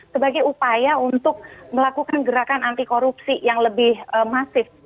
sebagai upaya untuk melakukan gerakan anti korupsi yang lebih masif